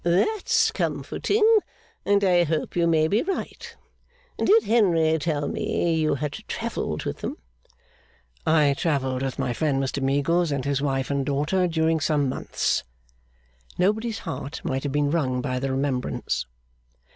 'That's comforting, and I hope you may be right. Did Henry tell me you had travelled with them?' 'I travelled with my friend Mr Meagles, and his wife and daughter, during some months.' (Nobody's heart might have been wrung by the remembrance.)